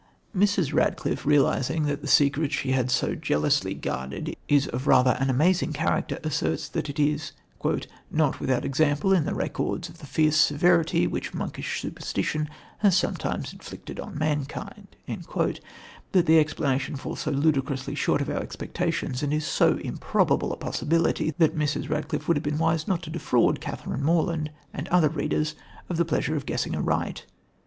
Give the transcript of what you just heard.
Mrs. Radcliffe, realising that the secret she had so jealously guarded is of rather an amazing character, asserts that it is "not without example in the records of the fierce severity which monkish superstition has sometimes inflicted on mankind." But the explanation falls so ludicrously short of our expectations and is so improbable a possibility, that Mrs. Radcliffe would have been wise not to defraud Catherine Morland and other readers of the pleasure of guessing aright.